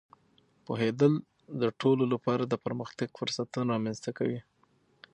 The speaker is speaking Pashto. پوهېدل د ټولو لپاره د پرمختګ فرصتونه رامینځته کوي.